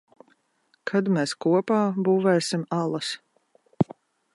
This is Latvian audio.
Kad mēs kopā būvēsim alas?